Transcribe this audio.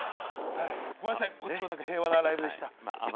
ごめんなさい、こっちは平和なライブでした。